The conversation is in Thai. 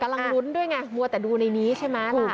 ลุ้นด้วยไงมัวแต่ดูในนี้ใช่ไหมล่ะ